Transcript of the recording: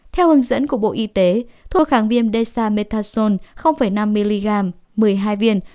theo hướng dẫn của bộ y tế thuốc kháng viêm desamethasone năm mg một mươi hai viên